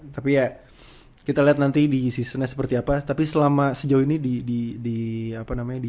tapi ya kita lihat nanti di seasonnya seperti apa tapi selama sejauh ini di apa namanya di